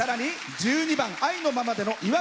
１２番「愛のままで」のいわ